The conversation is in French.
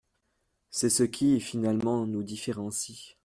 C’est ce qui, finalement, nous différencie.